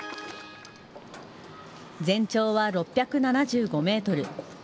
全長は６７５メートル。